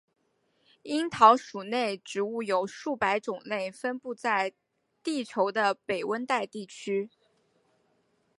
樱桃属内植物有数百种类分布在地球的北温带地区。